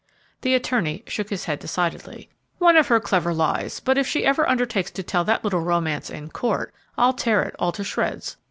The attorney shook his head decidedly. "One of her clever lies; but if she ever undertakes to tell that little romance in court, I'll tear it all to shreds.